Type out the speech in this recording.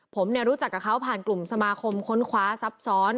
ผมรู้จักกับเขาผ่านกลุ่มสมาคมค้นคว้าซับซ้อน